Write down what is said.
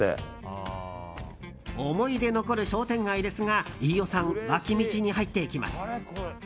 思い出残る商店街ですが飯尾さん、脇道に入っていきます。